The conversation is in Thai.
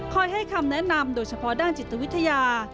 ให้คำแนะนำโดยเฉพาะด้านจิตวิทยา